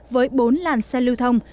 với bốn làn xe lưu thông